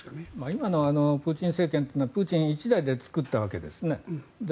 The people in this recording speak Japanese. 今のプーチン政権というのはプーチン１代で作ったわけですね。